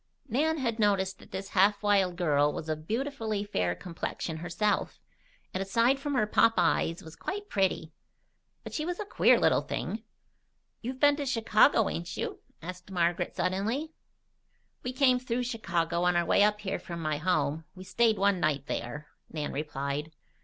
Nan had noticed that this half wild girl was of beautifully fair complexion herself, and aside from her pop eyes was quite petty. But she was a queer little thing. "You've been to Chicago, ain't you?" asked Margaret suddenly. "We came through Chicago on our way up here from my home. We stayed one night there," Nan replied.